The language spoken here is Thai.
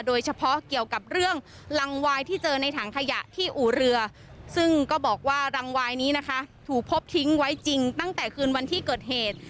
โดยเฉพาะเกี่ยวกับเรื่องรังวายที่เจอในถังขยะที่อู่เรือซึ่งก็บอกว่ารังวายนี้นะคะถูกพบทิ้งไว้จริงตั้งแต่คืนวันที่เกิดเหตุ